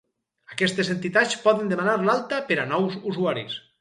Aquestes entitats poden demanar l'alta per a nous usuaris.